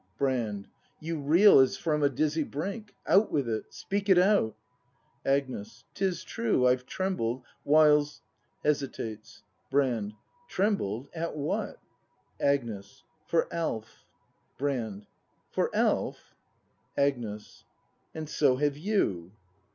Brand. You reel as from a dizzy brink! Out with it! speak it out! Agnes. 'Tis true I've trembled, whiles [Hesitates. Brand. Trembled ! At what ? Agnes. For Alf. Brand. For Alf ? Agnes. And so have you!